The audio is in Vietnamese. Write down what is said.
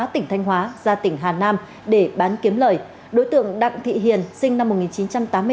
tỉnh thanh hóa ra tỉnh hà nam để bán kiếm lời đối tượng đặng thị hiền sinh năm một nghìn chín trăm tám mươi ba